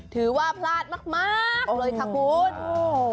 ถือว่าพลาดมากมากเลยค่ะคุณ